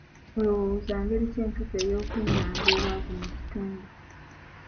Olowooza ngeri ki entuufu ey'okwengaanga obwavu mu kitundu?